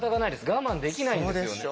我慢できないんですよね。